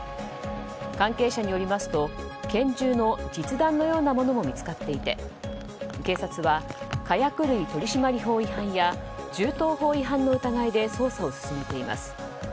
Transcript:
関係者によりますと拳銃の実弾のようなものも見つかっていて警察は火薬類取締法違反や銃刀法違反の疑いで捜査を進めています。